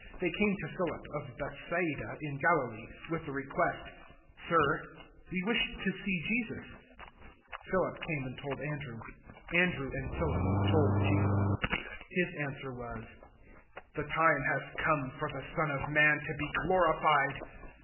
012:021 They came to Philip, of Bethsaida in Galilee, with the request, "Sir, we wish to see Jesus." 012:022 Philip came and told Andrew: Andrew and Philip told Jesus. 012:023 His answer was, "The time has come for the Son of Man to be glorified.